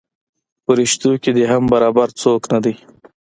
پریشتو کې دې هم برابر څوک نه دی.